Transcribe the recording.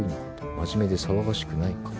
「真面目で騒がしくない方」